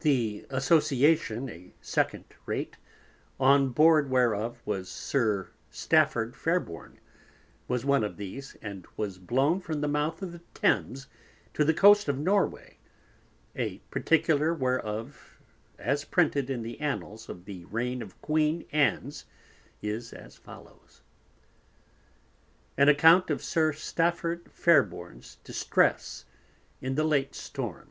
The Association, a Second Rate, on Board whereof was Sir Stafford Fairborn, was one of these, and was blown from the Mouth of the Thames to the Coast of Norway, a particular whereof as Printed in the Annals of the Reign of Queen Ann's is as follows. An Account of Sir Stafford Fairborne_'s Distress in the late Storm_.